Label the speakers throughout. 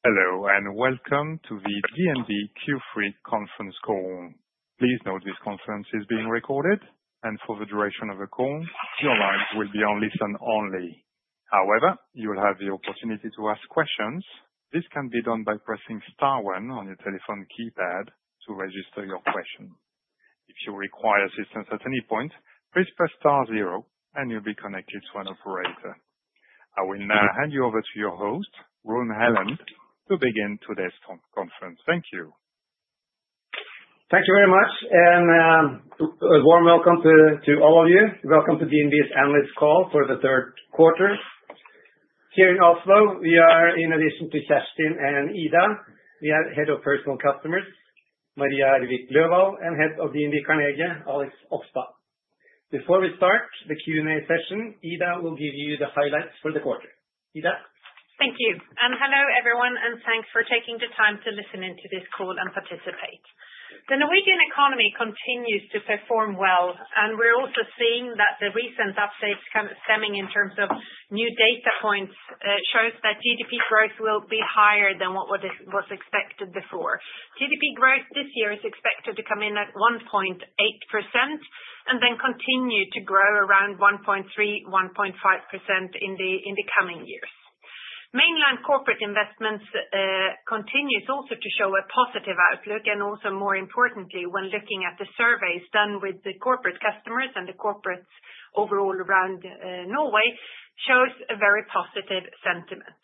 Speaker 1: Hello and welcome to the DNB Q3 conference call. Please note this conference is being recorded, and for the duration of the call, your lines will be on listen only. However, you'll have the opportunity to ask questions. This can be done by pressing star one on your telephone keypad to register your question. If you require assistance at any point, please press star zero, and you'll be connected to an operator. I will now hand you over to your host, Rune Helland, to begin today's conference. Thank you.
Speaker 2: Thank you very much, and a warm welcome to all of you. Welcome to DNB's annual call for the third quarter. Here in Oslo, we are, in addition to Kjerstin and Ida, we are Head of Personal Customers, Maria Løvold, and Head of DNB Carnegie, Alex Opstad. Before we start the Q&A session, Ida will give you the highlights for the quarter. Ida?
Speaker 3: Thank you, and hello everyone, and thanks for taking the time to listen into this call and participate. The Norwegian economy continues to perform well, and we're also seeing that the recent updates stemming in terms of new data points show that GDP growth will be higher than what was expected before. GDP growth this year is expected to come in at 1.8% and then continue to grow around 1.3%-1.5% in the coming years. Mainland corporate investments continue also to show a positive outlook, and also more importantly, when looking at the surveys done with the corporate customers and the corporates overall around Norway, it shows a very positive sentiment.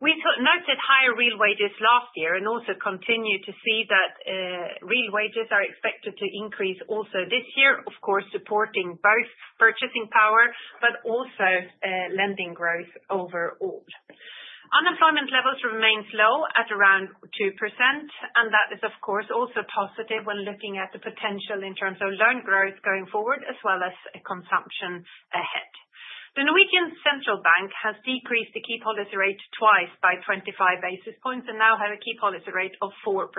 Speaker 3: We noted higher real wages last year and also continue to see that real wages are expected to increase also this year, of course supporting both purchasing power but also lending growth overall. Unemployment levels remain low at around 2%, and that is of course also positive when looking at the potential in terms of loan growth going forward as well as consumption ahead. The Norwegian central bank has decreased the key policy rate twice by 25 basis points and now has a key policy rate of 4%.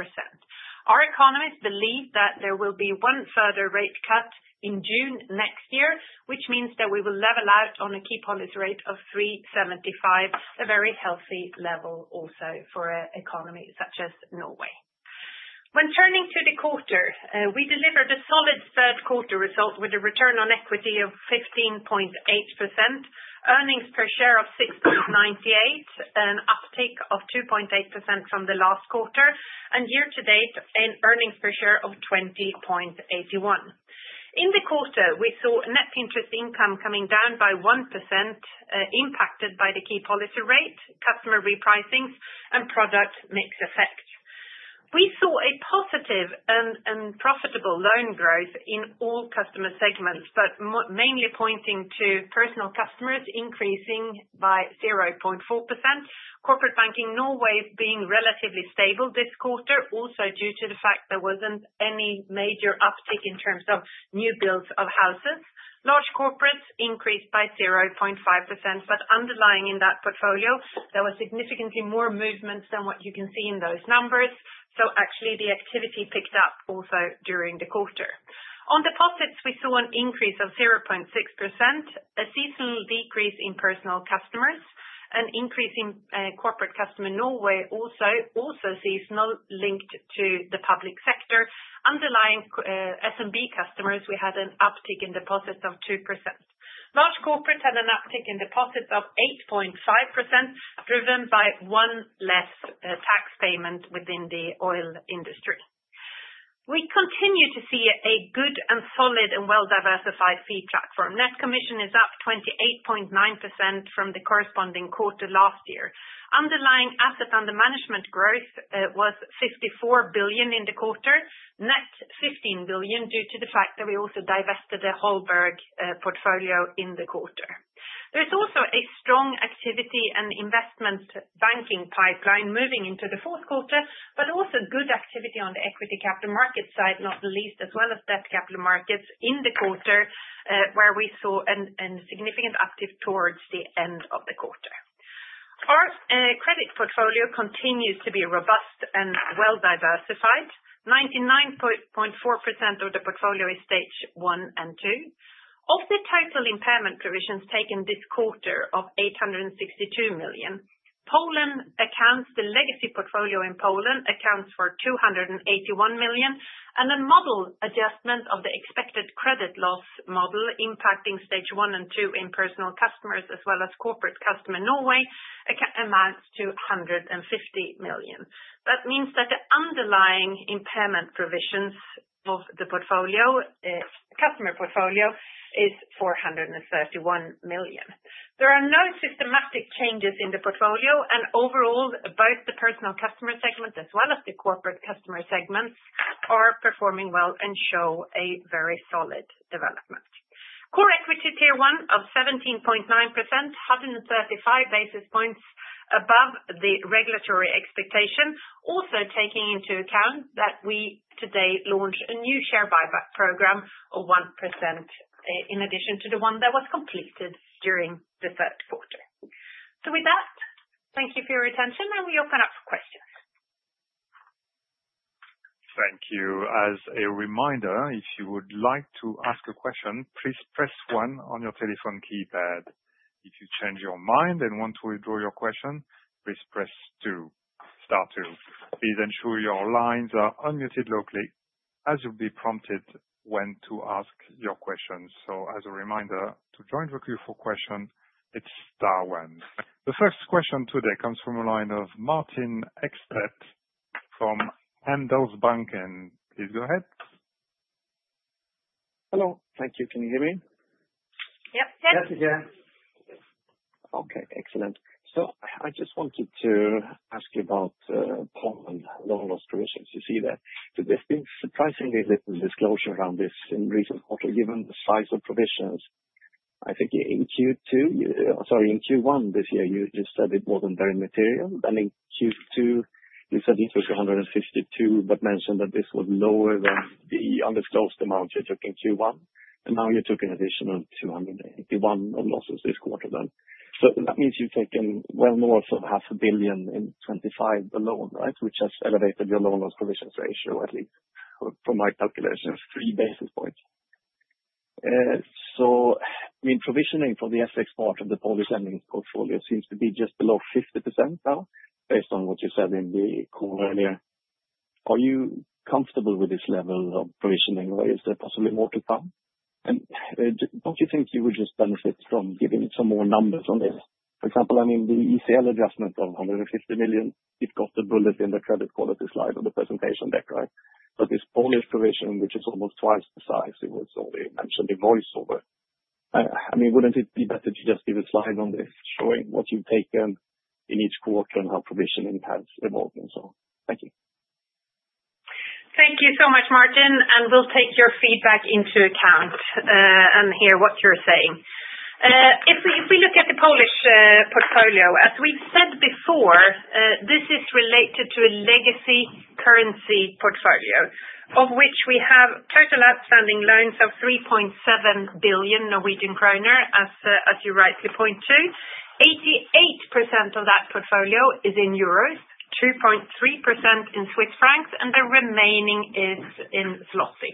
Speaker 3: Our economists believe that there will be one further rate cut in June next year, which means that we will level out on a key policy rate of 3.75%, a very healthy level also for an economy such as Norway. When turning to the quarter, we delivered a solid third quarter result with a return on equity of 15.8%, earnings per share of 6.98%, an uptick of 2.8% from the last quarter, and year to date an earnings per share of 20.81%. In the quarter, we saw net interest income coming down by 1%, impacted by the key policy rate, customer repricing, and product mix effects. We saw a positive and profitable loan growth in all customer segments, but mainly pointing to Personal Customers increasing by 0.4%, corporate banking in Norway being relatively stable this quarter, also due to the fact there wasn't any major uptick in terms of new builds of houses. Large corporates increased by 0.5%, but underlying in that portfolio, there were significantly more movements than what you can see in those numbers, so actually the activity picked up also during the quarter. On deposits, we saw an increase of 0.6%, a seasonal decrease in Personal Customers, an increase in Corporate Customers Norway, also seasonal linked to the public sector. Underlying SMB customers, we had an uptick in deposits of 2%. Large corporates had an uptick in deposits of 8.5%, driven by one less tax payment within the oil industry. We continue to see a good and solid and well-diversified feedback. Net commission is up 28.9% from the corresponding quarter last year. Underlying assets under management growth was 54 billion in the quarter, net 15 billion due to the fact that we also divested the Holberg portfolio in the quarter. There's also a strong activity and investment banking pipeline moving into the fourth quarter, but also good activity on the Equity Capital Markets side, not least as well as debt capital markets in the quarter, where we saw a significant uptick towards the end of the quarter. Our credit portfolio continues to be robust and well-diversified. 99.4% of the portfolio is Stage 1 and 2. Of the total impairment provisions taken this quarter of 862 million, the legacy portfolio in Poland accounts for 281 million, and a model adjustment of the expected credit loss model impacting Stage 1 and 2 in Personal Customers as well as Corporate Customers Norway amounts to 150 million. That means that the underlying impairment provisions of the portfolio, customer portfolio, is 431 million. There are no systematic changes in the portfolio, and overall both the personal customer segment as well as the corporate customer segments are performing well and show a very solid development. Core Equity Tier 1 of 17.9%, 135 basis points above the regulatory expectation, also taking into account that we today launch a new share buyback program of 1% in addition to the one that was completed during the third quarter. So with that, thank you for your attention, and we open up for questions.
Speaker 1: Thank you. As a reminder, if you would like to ask a question, please press one on your telephone keypad. If you change your mind and want to withdraw your question, please press two, star two. Please ensure your lines are unmuted locally as you'll be prompted when to ask your questions. So as a reminder to join the queue for questions, it's star one. The first question today comes from a line of Martin Ekstedt from Handelsbanken, please go ahead.
Speaker 4: Hello, thank you. Can you hear me?
Speaker 5: Yep, yep.
Speaker 2: Yes, I can.
Speaker 4: Okay, excellent. So I just wanted to ask you about loan loss provisions. You see that there's been surprisingly little disclosure around this in recent quarter given the size of provisions. I think in Q2, sorry, in Q1 this year, you said it wasn't very material. Then in Q2, you said interest was 152 but mentioned that this was lower than the undisclosed amount you took in Q1, and now you took an additional 281 loan losses this quarter then. So that means you've taken well more than 500 million in 2025 alone, right, which has elevated your loan loss provisions ratio at least from my calculations, three basis points. So I mean, provisioning for the FX part of the Polish lending portfolio seems to be just below 50% now based on what you said in the call earlier. Are you comfortable with this level of provisioning, or is there possibly more to come? And don't you think you would just benefit from giving some more numbers on this? For example, I mean, the ECL adjustment of 150 million, you've got the bullet in the credit quality slide of the presentation deck, right? But this Polish provision, which is almost twice the size, it was already mentioned in voiceover. I mean, wouldn't it be better to just give a slide on this showing what you've taken in each quarter and how provisioning has evolved and so on? Thank you.
Speaker 5: Thank you so much, Martin, and we'll take your feedback into account and hear what you're saying. If we look at the Polish portfolio, as we've said before, this is related to a legacy currency portfolio of which we have total outstanding loans of 3.7 billion Norwegian kroner, as you rightly point to. 88% of that portfolio is in euros, 2.3% in Swiss francs, and the remaining is in zloty.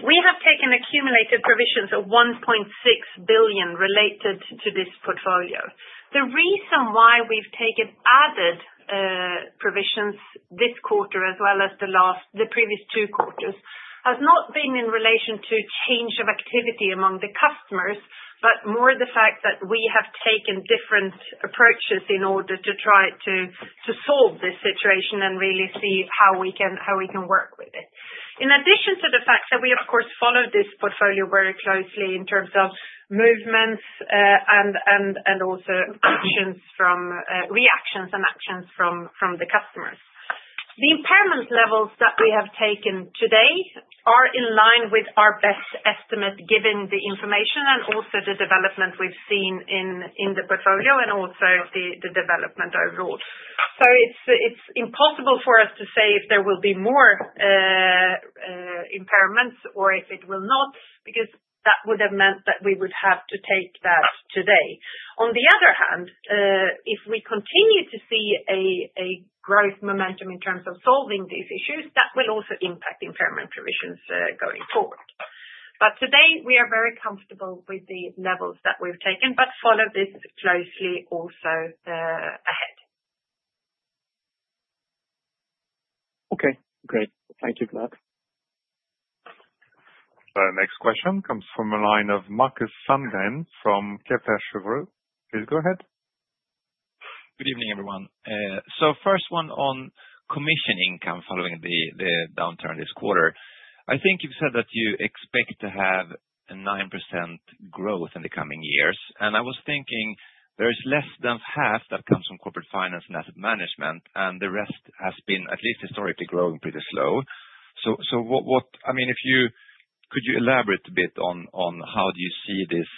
Speaker 5: We have taken accumulated provisions of 1.6 billion related to this portfolio. The reason why we've taken added provisions this quarter as well as the previous two quarters has not been in relation to change of activity among the customers, but more the fact that we have taken different approaches in order to try to solve this situation and really see how we can work with it. In addition to the fact that we, of course, follow this portfolio very closely in terms of movements and also actions from reactions and actions from the customers. The impairment levels that we have taken today are in line with our best estimate given the information and also the development we've seen in the portfolio and also the development overall, so it's impossible for us to say if there will be more impairments or if it will not, because that would have meant that we would have to take that today. On the other hand, if we continue to see a growth momentum in terms of solving these issues, that will also impact impairment provisions going forward, but today, we are very comfortable with the levels that we've taken, but follow this closely also ahead.
Speaker 1: Okay, great. Thank you for that. The next question comes from Markus Sandén from Nordea Group. Please go ahead.
Speaker 6: Good evening, everyone. So first one on commission income following the downturn this quarter. I think you've said that you expect to have a 9% growth in the coming years, and I was thinking there's less than half that comes from corporate finance and asset management, and the rest has been at least historically growing pretty slow. So I mean, could you elaborate a bit on how do you see this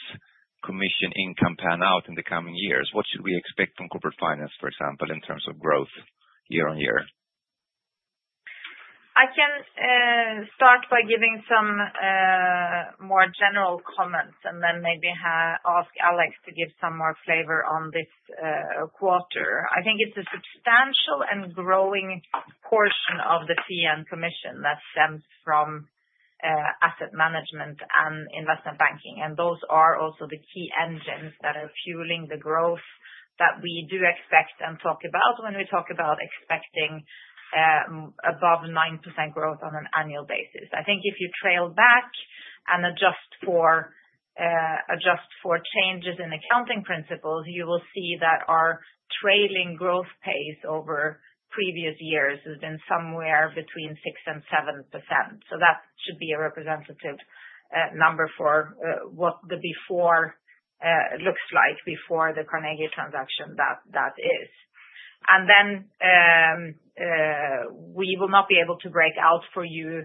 Speaker 6: commission income pan out in the coming years? What should we expect from corporate finance, for example, in terms of growth year on year?
Speaker 5: I can start by giving some more general comments and then maybe ask Alex to give some more flavor on this quarter. I think it's a substantial and growing portion of the fee and commission that stems from asset management and investment banking, and those are also the key engines that are fueling the growth that we do expect and talk about when we talk about expecting above 9% growth on an annual basis. I think if you trail back and adjust for changes in accounting principles, you will see that our trailing growth pace over previous years has been somewhere between 6% and 7%. So that should be a representative number for what the before looks like, before the Carnegie transaction that is. And then we will not be able to break out for you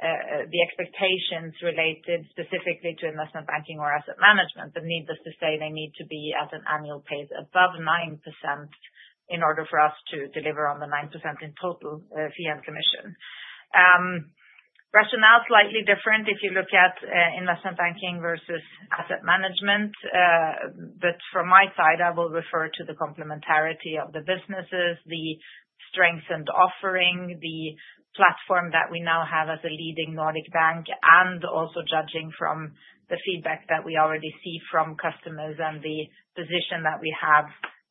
Speaker 5: the expectations related specifically to investment banking or asset management that need us to say they need to be at an annual pace above 9% in order for us to deliver on the 9% in total fee and commission. Rationale is slightly different if you look at investment banking versus asset management, but from my side, I will refer to the complementarity of the businesses, the strengthened offering, the platform that we now have as a leading Nordic bank, and also judging from the feedback that we already see from customers and the position that we have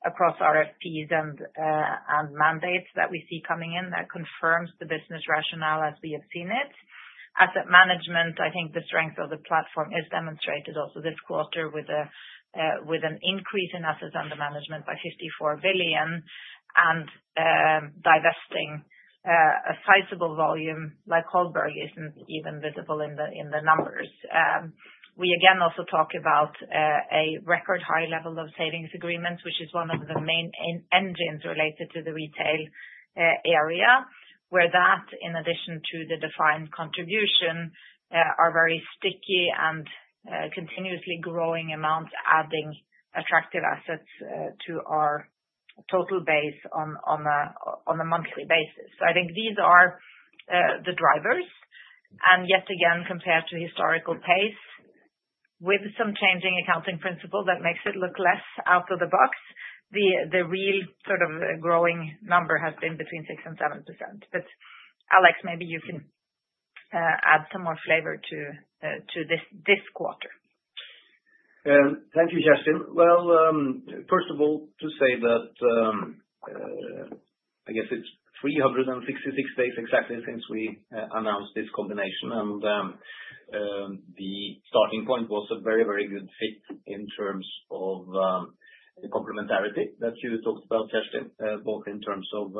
Speaker 5: across RFPs and mandates that we see coming in, that confirms the business rationale as we have seen it. Asset management, I think the strength of the platform is demonstrated also this quarter with an increase in assets under management by 54 billion and divesting a sizable volume like Holberg isn't even visible in the numbers. We again also talk about a record high level of savings agreements, which is one of the main engines related to the retail area, where that, in addition to the defined contribution, are very sticky and continuously growing amounts adding attractive assets to our total base on a monthly basis. So I think these are the drivers, and yet again, compared to historical pace with some changing accounting principle that makes it look less out of the box, the real sort of growing number has been between 6% and 7%. But Alex, maybe you can add some more flavor to this quarter.
Speaker 7: Thank you, Kjerstin. Well, first of all, to say that I guess it's 366 days exactly since we announced this combination, and the starting point was a very, very good fit in terms of the complementarity that you talked about, Kjerstin, both in terms of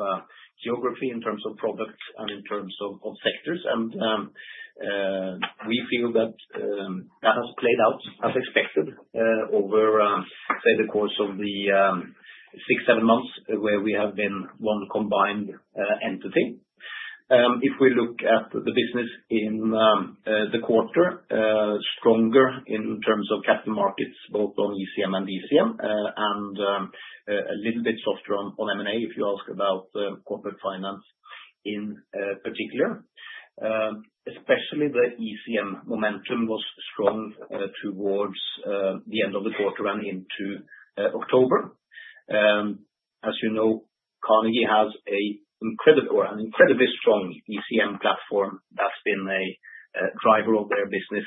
Speaker 7: geography, in terms of product, and in terms of sectors, and we feel that that has played out as expected over, say, the course of the six, seven months where we have been one combined entity. If we look at the business in the quarter, stronger in terms of capital markets, both on ECM and DCM, and a little bit softer on M&A if you ask about corporate finance in particular, especially the ECM momentum was strong towards the end of the quarter and into October. As you know, Carnegie has an incredibly strong ECM platform that's been a driver of their business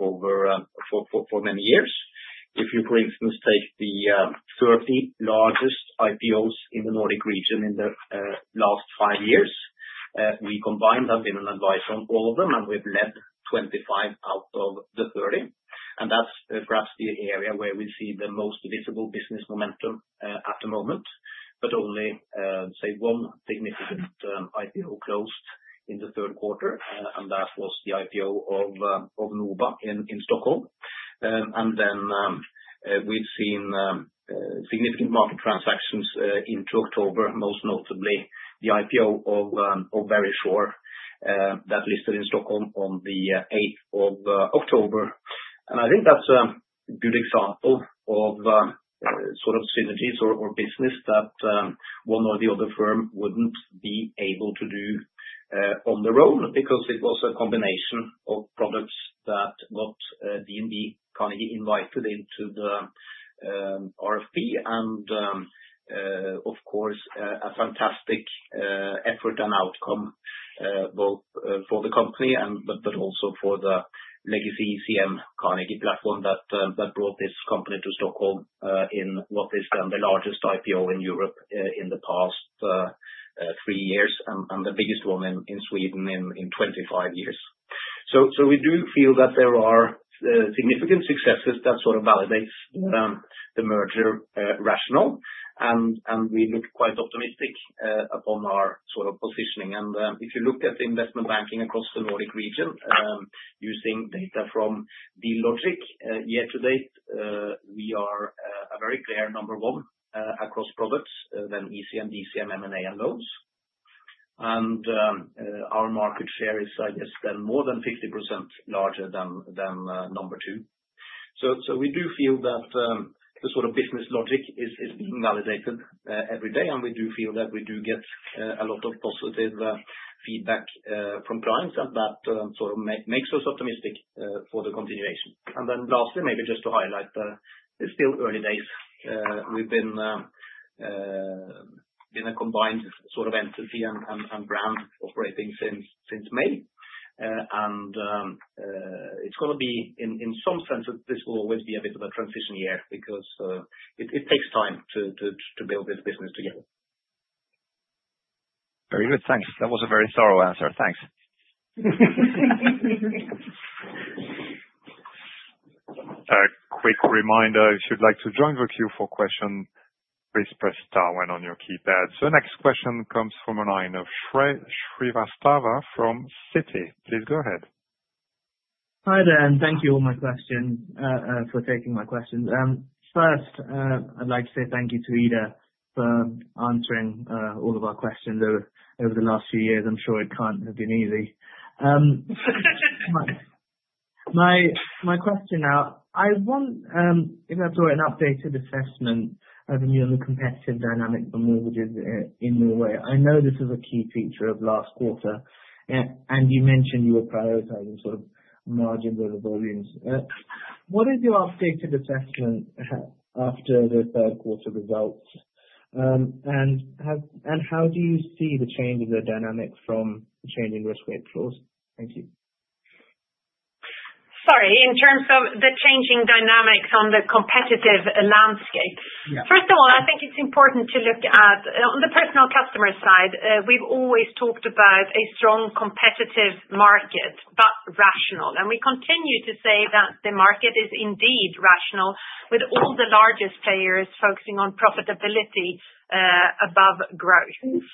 Speaker 7: for many years. If you, for instance, take the 30 largest IPOs in the Nordic region in the last five years, we combined have been an advisor on all of them, and we've led 25 out of the 30. And that's perhaps the area where we see the most visible business momentum at the moment, but only, say, one significant IPO closed in the third quarter, and that was the IPO of NOBA in Stockholm. And then we've seen significant market transactions into October, most notably the IPO of Verisure that listed in Stockholm on the 8th of October. And I think that's a good example of sort of synergies or business that one or the other firm wouldn't be able to do on their own because it was a combination of products that got DNB Carnegie invited into the RFP and, of course, a fantastic effort and outcome both for the company but also for the legacy ECM Carnegie platform that brought this company to Stockholm in what is then the largest IPO in Europe in the past three years and the biggest one in Sweden in 25 years. So we do feel that there are significant successes that sort of validate the merger rationale, and we look quite optimistic upon our sort of positioning. And if you look at investment banking across the Nordic region, using data from Dealogic year to date, we are a very clear number one across products than ECM, DCM, M&A, and loans. And our market share is, I guess, then more than 50% larger than number two. So we do feel that the sort of business logic is being validated every day, and we do feel that we do get a lot of positive feedback from clients, and that sort of makes us optimistic for the continuation. And then lastly, maybe just to highlight, it's still early days. We've been a combined sort of entity and brand operating since May, and it's going to be, in some sense, this will always be a bit of a transition year because it takes time to build this business together.
Speaker 6: Very good. Thanks. That was a very thorough answer. Thanks.
Speaker 1: A quick reminder, if you'd like to join the queue for questions, please press star one on your keypad. So next question comes from a line of Shrey Srivastava from Citi. Please go ahead.
Speaker 8: Hi there, and thank you for taking my question. First, I'd like to say thank you to Ida for answering all of our questions over the last few years. I'm sure it can't have been easy. My question now, I want to have an updated assessment of the new and the competitive dynamic for mortgages in Norway. I know this is a key feature of last quarter, and you mentioned you were prioritizing sort of margins over volumes. What is your updated assessment after the third quarter results, and how do you see the change in the dynamic from the changing risk-weight floors? Thank you.
Speaker 5: Sorry, in terms of the changing dynamics on the competitive landscape. First of all, I think it's important to look at, on the personal customer side, we've always talked about a strong competitive market, but rational, and we continue to say that the market is indeed rational with all the largest players focusing on profitability above growth.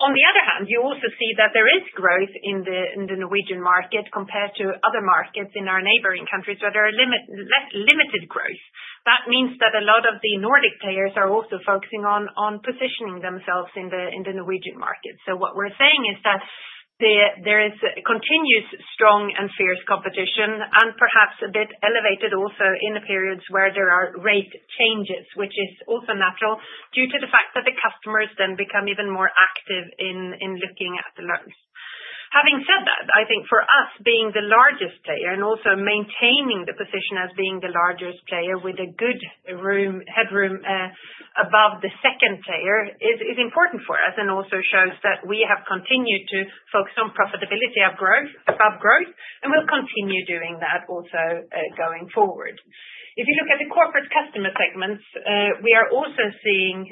Speaker 5: On the other hand, you also see that there is growth in the Norwegian market compared to other markets in our neighboring countries where there are limited growth. That means that a lot of the Nordic players are also focusing on positioning themselves in the Norwegian market. So what we're saying is that there is continuous strong and fierce competition and perhaps a bit elevated also in the periods where there are rate changes, which is also natural due to the fact that the customers then become even more active in looking at the loans. Having said that, I think for us being the largest player and also maintaining the position as being the largest player with a good headroom above the second player is important for us and also shows that we have continued to focus on profitability above growth and will continue doing that also going forward. If you look at the corporate customer segments, we are also seeing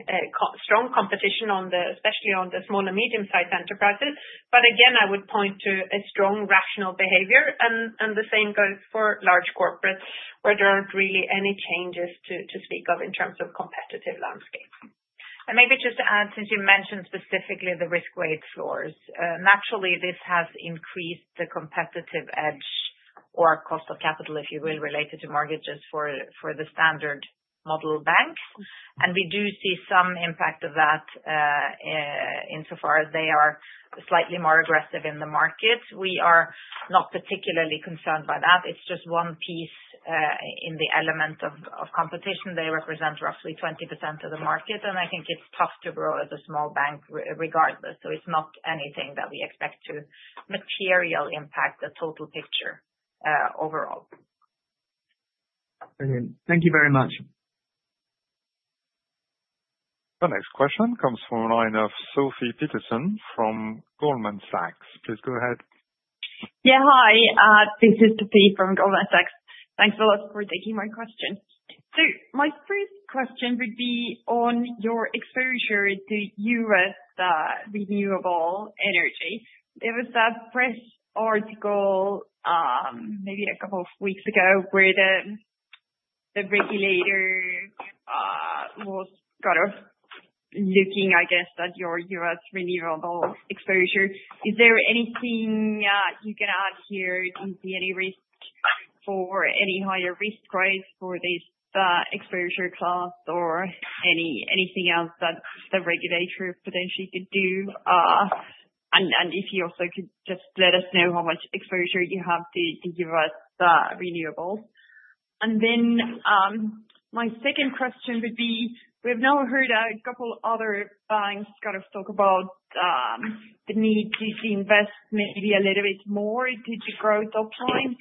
Speaker 5: strong competition, especially on the small and medium-sized enterprises, but again, I would point to a strong rational behavior, and the same goes for Large Corporates where there aren't really any changes to speak of in terms of competitive landscape, and maybe just to add, since you mentioned specifically the risk-weight floors, naturally this has increased the competitive edge or cost of capital, if you will, related to mortgages for the standard model banks, and we do see some impact of that insofar as they are slightly more aggressive in the market. We are not particularly concerned by that. It's just one piece in the element of competition. They represent roughly 20% of the market, and I think it's tough to grow as a small bank regardless. So it's not anything that we expect to materially impact the total picture overall.
Speaker 8: Brilliant. Thank you very much.
Speaker 1: The next question comes from a line of Sofie Peterzens from Goldman Sachs. Please go ahead.
Speaker 9: Yeah, hi. This is Sophie from Goldman Sachs. Thanks a lot for taking my question. So my first question would be on your exposure to U.S. renewable energy. There was a press article maybe a couple of weeks ago where the regulator was kind of looking, I guess, at your U.S. renewable exposure. Is there anything you can add here? Do you see any risk for any higher risk weights for this exposure class or anything else that the regulator potentially could do? And if you also could just let us know how much exposure you have to U.S. renewables. And then my second question would be, we've now heard a couple of other banks kind of talk about the need to invest maybe a little bit more due to growth online.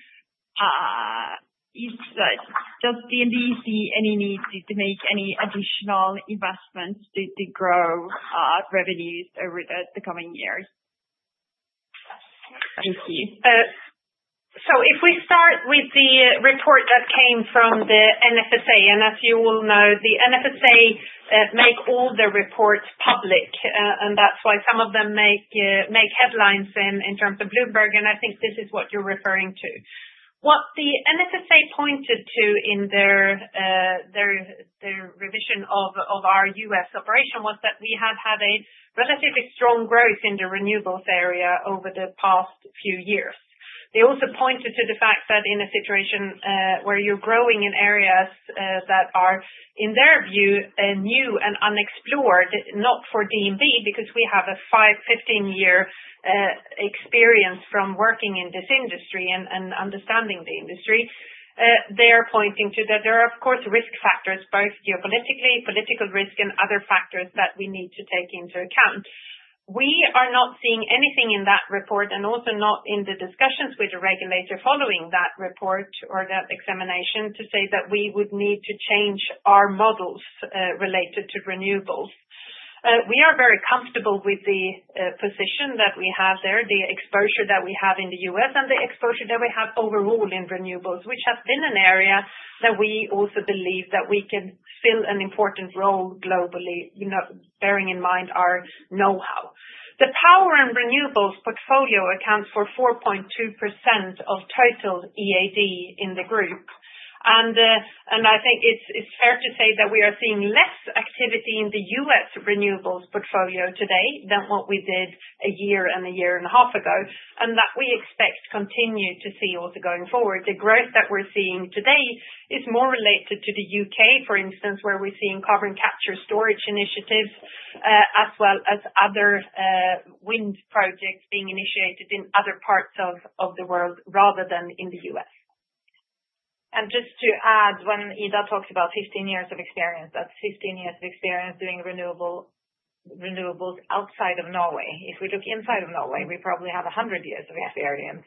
Speaker 9: Does DNB see any need to make any additional investments to grow revenues over the coming years?
Speaker 5: Thank you, so if we start with the report that came from the NFSA, and as you all know, the NFSA makes all the reports public, and that's why some of them make headlines in terms of Bloomberg, and I think this is what you're referring to. What the NFSA pointed to in their revision of our U.S. operation was that we have had a relatively strong growth in the renewables area over the past few years. They also pointed to the fact that in a situation where you're growing in areas that are, in their view, new and unexplored, not for DNB because we have a 15-year experience from working in this industry and understanding the industry, they are pointing to that there are, of course, risk factors, both geopolitically, political risk, and other factors that we need to take into account. We are not seeing anything in that report and also not in the discussions with the regulator following that report or that examination to say that we would need to change our models related to renewables. We are very comfortable with the position that we have there, the exposure that we have in the U.S., and the exposure that we have overall in renewables, which has been an area that we also believe that we can fill an important role globally, bearing in mind our know-how. The power and renewables portfolio accounts for 4.2% of total EAD in the group, and I think it's fair to say that we are seeing less activity in the U.S. renewables portfolio today than what we did a year and a year and a half ago, and that we expect to continue to see also going forward. The growth that we're seeing today is more related to the U.K., for instance, where we're seeing carbon capture storage initiatives as well as other wind projects being initiated in other parts of the world rather than in the U.S. And just to add, when Ida talks about 15 years of experience, that's 15 years of experience doing renewables outside of Norway. If we look inside of Norway, we probably have 100 years of experience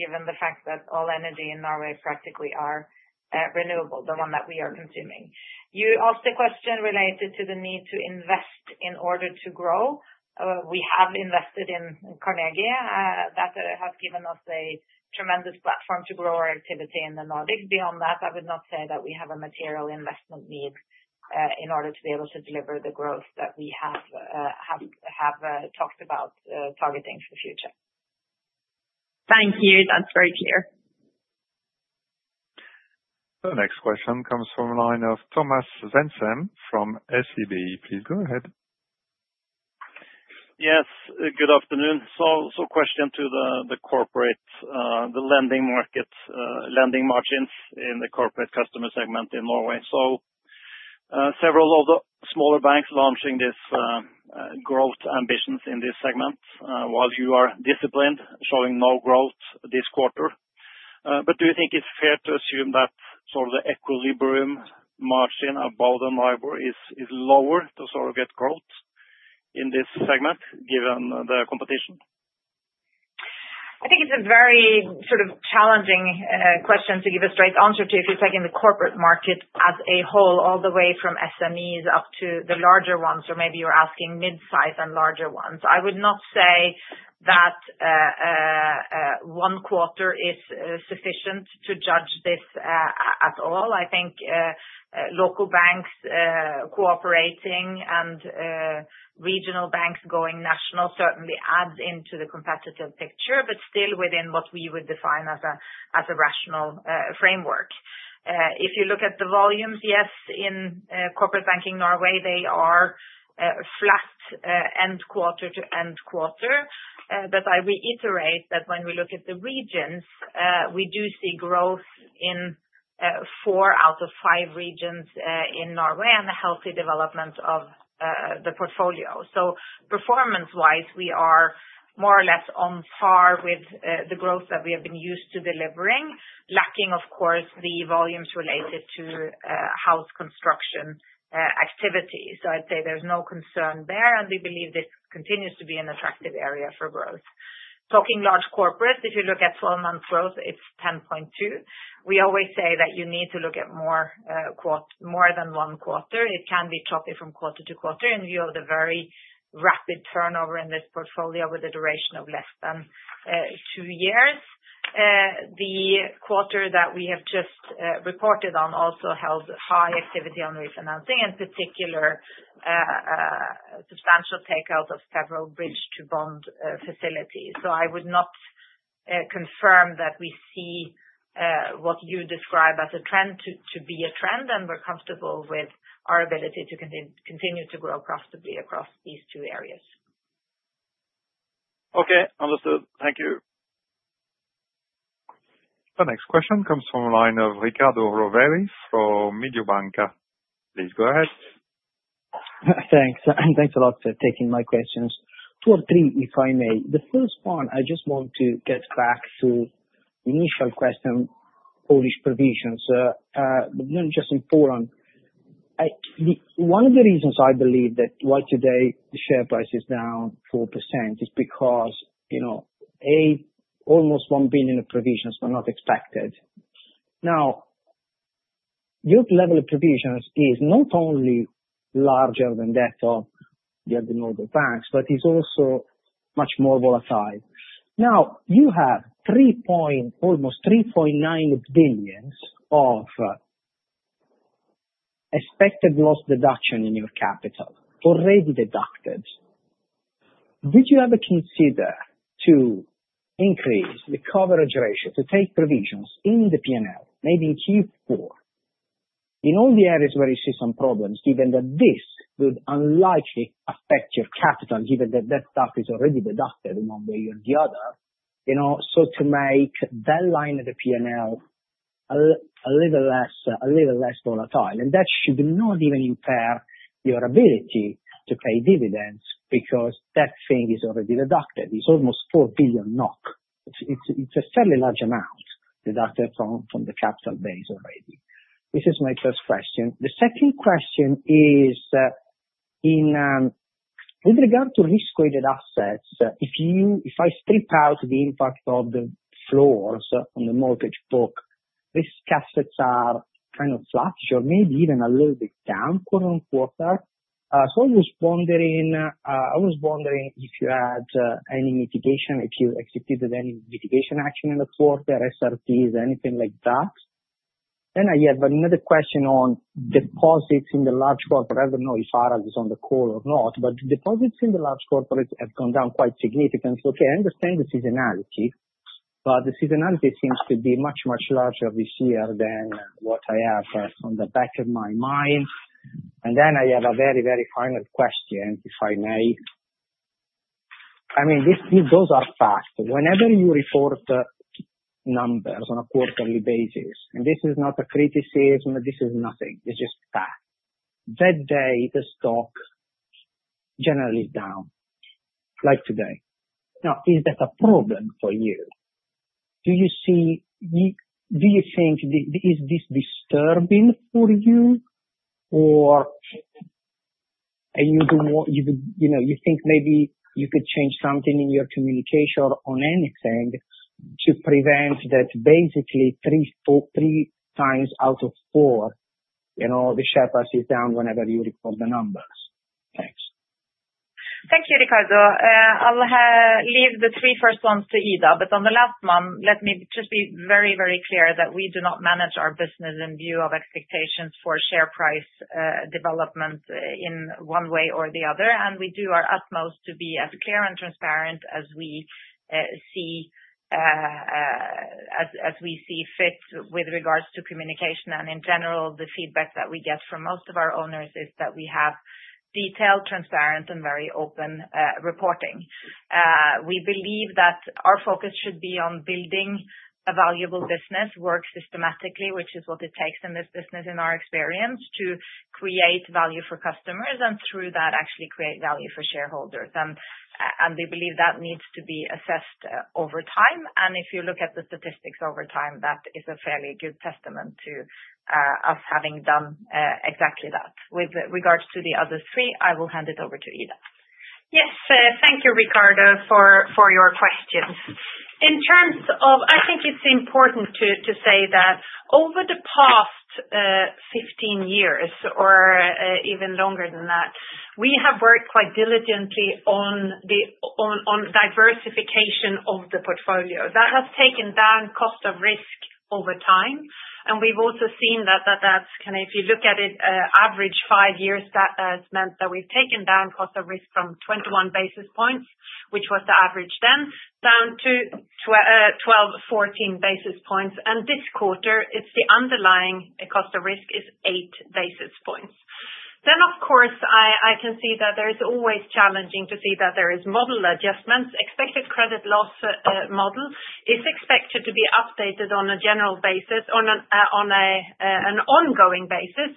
Speaker 5: given the fact that all energy in Norway practically are renewable, the one that we are consuming. You asked a question related to the need to invest in order to grow. We have invested in Carnegie. That has given us a tremendous platform to grow our activity in the Nordics. Beyond that, I would not say that we have a material investment need in order to be able to deliver the growth that we have talked about targeting for the future.
Speaker 9: Thank you. That's very clear.
Speaker 1: The next question comes from a line of Thomas Svendsen from SEB. Please go ahead.
Speaker 10: Yes. Good afternoon. So, question to the corporate, the lending margins in the corporate customer segment in Norway. So, several of the smaller banks launching this growth ambitions in this segment while you are disciplined, showing no growth this quarter. But do you think it's fair to assume that sort of the equilibrium margin above the number is lower to sort of get growth in this segment given the competition?
Speaker 5: I think it's a very sort of challenging question to give a straight answer to if you're taking the corporate market as a whole all the way from SMEs up to the larger ones, or maybe you're asking mid-size and larger ones. I would not say that one quarter is sufficient to judge this at all. I think local banks cooperating and regional banks going national certainly adds into the competitive picture, but still within what we would define as a rational framework. If you look at the volumes, yes, in corporate banking Norway, they are flat end quarter to end quarter. But I reiterate that when we look at the regions, we do see growth in four out of five regions in Norway and a healthy development of the portfolio. So performance-wise, we are more or less on par with the growth that we have been used to delivering, lacking, of course, the volumes related to house construction activity. So I'd say there's no concern there, and we believe this continues to be an attractive area for growth. Talking large corporate, if you look at 12-month growth, it's 10.2. We always say that you need to look at more than one quarter. It can be choppy from quarter to quarter in view of the very rapid turnover in this portfolio with a duration of less than two years. The quarter that we have just reported on also held high activity on refinancing, in particular, substantial takeout of several bridge-to-bond facilities. I would not confirm that we see what you describe as a trend to be a trend, and we're comfortable with our ability to continue to grow profitably across these two areas.
Speaker 10: Okay. Understood. Thank you.
Speaker 1: The next question comes from a line of Riccardo Rovere from Mediobanca. Please go ahead.
Speaker 11: Thanks. Thanks a lot for taking my questions. Two or three, if I may. The first one, I just want to get back to the initial question, Polish provisions, but then just inform. One of the reasons I believe that's why today the share price is down 4% is because almost 1 billion of provisions were not expected. Now, your level of provisions is not only larger than that of the other Nordic banks, but it's also much more volatile. Now, you have almost 3.9 billion of expected loss deduction in your capital already deducted. Would you ever consider to increase the coverage ratio, to take provisions in the P&L, maybe in Q4, in all the areas where you see some problems, given that this would unlikely affect your capital, given that that stuff is already deducted in one way or the other, so to make that line of the P&L a little less volatile, and that should not even impair your ability to pay dividends because that thing is already deducted. It's almost 4 billion NOK. It's a fairly large amount deducted from the capital base already. This is my first question. The second question is, with regard to risk-weighted assets, if I strip out the impact of the floors on the mortgage book, risk assets are kind of flat or maybe even a little bit down quarter on quarter. So I was wondering if you had any mitigation, if you executed any mitigation action in the quarter, SRTs, anything like that. Then I have another question on deposits in the large corporate. I don't know if Harald is on the call or not, but the deposits in the large corporate have gone down quite significantly. Okay. I understand the seasonality, but the seasonality seems to be much, much larger this year than what I have on the back of my mind. And then I have a very, very final question, if I may. I mean, those are facts. Whenever you report numbers on a quarterly basis, and this is not a criticism, this is nothing. It's just facts. That day, the stock generally is down like today. Now, is that a problem for you? Do you think this is disturbing for you, or you think maybe you could change something in your communication on anything to prevent that basically three times out of four, the share price is down whenever you report the numbers? Thanks.
Speaker 5: Thank you, Riccardo. I'll leave the three first ones to Ida, but on the last one, let me just be very, very clear that we do not manage our business in view of expectations for share price development in one way or the other, and we do our utmost to be as clear and transparent as we see fit with regards to communication, and in general, the feedback that we get from most of our owners is that we have detailed, transparent, and very open reporting. We believe that our focus should be on building a valuable business, work systematically, which is what it takes in this business, in our experience, to create value for customers and through that actually create value for shareholders, and we believe that needs to be assessed over time. And if you look at the statistics over time, that is a fairly good testament to us having done exactly that. With regards to the other three, I will hand it over to Ida.
Speaker 3: Yes. Thank you, Riccardo, for your questions. In terms of, I think it's important to say that over the past 15 years or even longer than that, we have worked quite diligently on diversification of the portfolio. That has taken down cost of risk over time, and we've also seen that that's, if you look at it, average five years, that has meant that we've taken down cost of risk from 21 basis points, which was the average then, down to 12-14 basis points. And this quarter, the underlying cost of risk is 8 basis points. Then, of course, I can see that there is always challenging to see that there is model adjustments. Expected credit loss model is expected to be updated on a general basis, on an ongoing basis.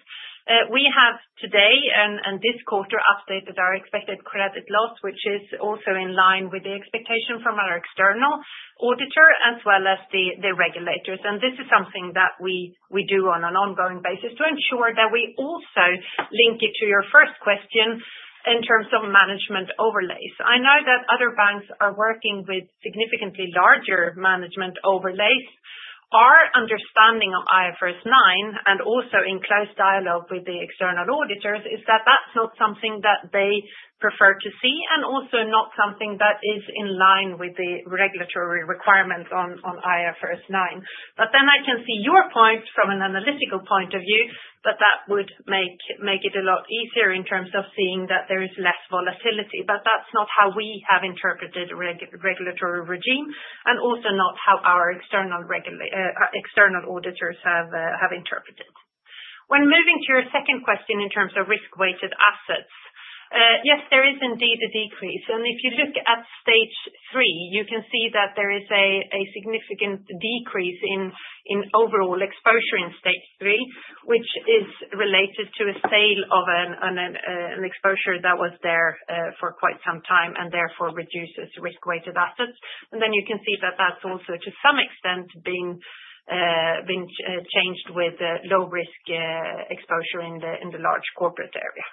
Speaker 3: We have today and this quarter updated our expected credit loss, which is also in line with the expectation from our external auditor as well as the regulators. And this is something that we do on an ongoing basis to ensure that we also link it to your first question in terms of management overlays. I know that other banks are working with significantly larger management overlays. Our understanding of IFRS 9 and also in close dialogue with the external auditors is that that's not something that they prefer to see and also not something that is in line with the regulatory requirements on IFRS 9. But then I can see your point from an analytical point of view that that would make it a lot easier in terms of seeing that there is less volatility. But that's not how we have interpreted regulatory regime and also not how our external auditors have interpreted. When moving to your second question in terms of risk-weighted assets, yes, there is indeed a decrease. And if you look at Stage 3, you can see that there is a significant decrease in overall exposure in Stage 3, which is related to a sale of an exposure that was there for quite some time and therefore reduces risk-weighted assets. And then you can see that that's also to some extent been changed with low-risk exposure in the large corporate area.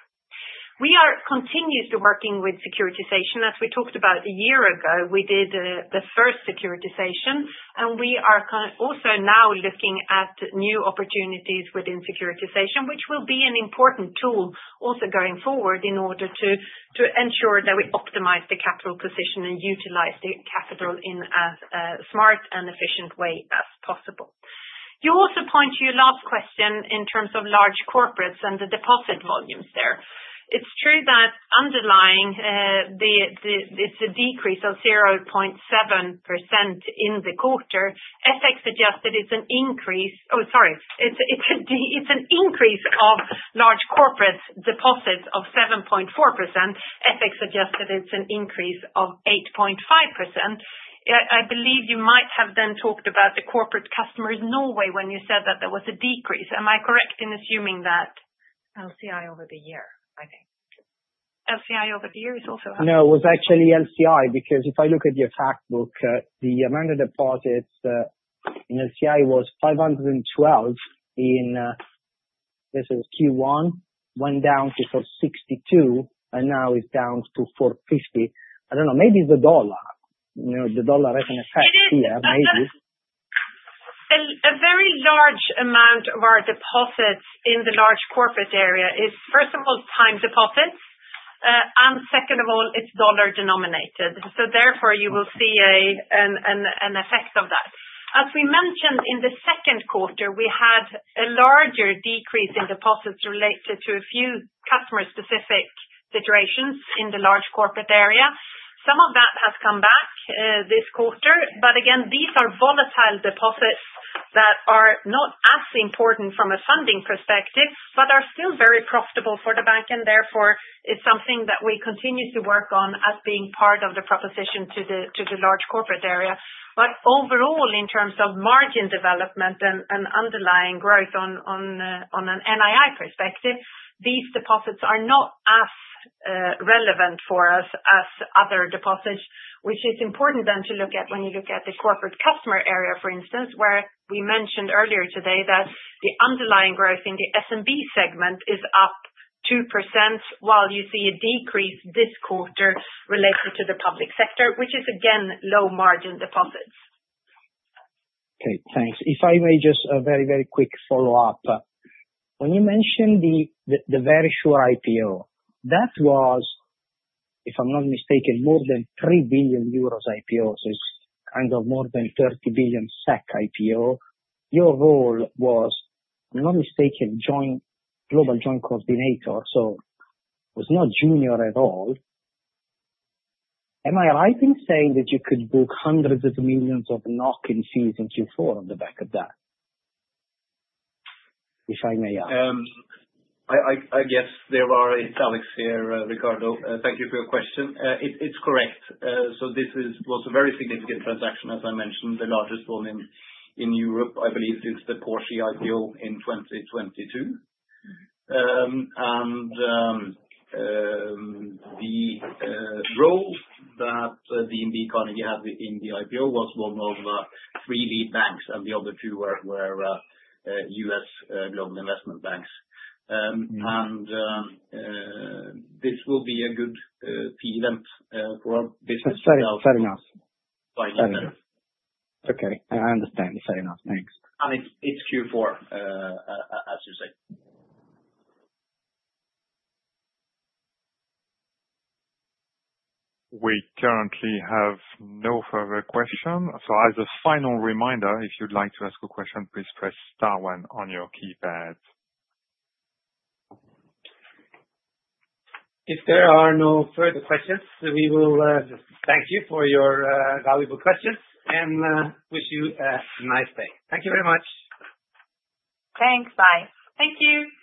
Speaker 3: We are continued to working with securitization. As we talked about a year ago, we did the first securitization, and we are also now looking at new opportunities within securitization, which will be an important tool also going forward in order to ensure that we optimize the capital position and utilize the capital in as smart and efficient way as possible. You also point to your last question in terms of Large Corporates and the deposit volumes there. It's true that underlying it's a decrease of 0.7% in the quarter. FX suggested it's an increase. Oh, sorry. It's an increase of large corporate deposits of 7.4%. FX suggested it's an increase of 8.5%. I believe you might have then talked about the corporate customers Norway when you said that there was a decrease. Am I correct in assuming that? LCI over the year, I think. LCI over the year is also happening.
Speaker 11: No, it was actually LCI because if I look at your fact book, the amount of deposits in LCI was 512 in Q1, went down to 62, and now it's down to 450. I don't know. Maybe the dollar has an effect here, maybe.
Speaker 3: A very large amount of our deposits in the large corporate area is, first of all, time deposits, and second of all, it's dollar denominated. So therefore, you will see an effect of that. As we mentioned, in the second quarter, we had a larger decrease in deposits related to a few customer-specific situations in the large corporate area. Some of that has come back this quarter, but again, these are volatile deposits that are not as important from a funding perspective, but are still very profitable for the bank, and therefore, it's something that we continue to work on as being part of the proposition to the large corporate area but overall, in terms of margin development and underlying growth on an NII perspective, these deposits are not as relevant for us as other deposits, which is important then to look at when you look at the corporate customer area, for instance, where we mentioned earlier today that the underlying growth in the SMB segment is up 2%, while you see a decrease this quarter related to the public sector, which is, again, low-margin deposits.
Speaker 11: Okay. Thanks. If I may just a very, very quick follow-up. When you mentioned the Verisure IPO, that was, if I'm not mistaken, more than 3 billion euros IPO, so it's kind of more than 30 billion SEK IPO. Your role was, if I'm not mistaken, Global Joint Coordinator, so it was not junior at all. Am I right in saying that you could book hundreds of millions of NOK in fees in Q4 on the back of that, if I may ask?
Speaker 7: I guess there are italics here, Riccardo. Thank you for your question. It's correct. So this was a very significant transaction, as I mentioned, the largest one in Europe. I believe it's the Porsche IPO in 2022. And the role that DNB Carnegie had in the IPO was one of three lead banks, and the other two were U.S. global investment banks. And this will be a good event for our business. Fair enough. Finance.
Speaker 11: Okay. I understand. Fair enough. Thanks.
Speaker 7: It's Q4, as you say.
Speaker 1: We currently have no further questions. So as a final reminder, if you'd like to ask a question, please press star one on your keypad.
Speaker 2: If there are no further questions, we will thank you for your valuable questions and wish you a nice day. Thank you very much.
Speaker 5: Thanks. Bye.
Speaker 3: Thank you.
Speaker 2: Thanks.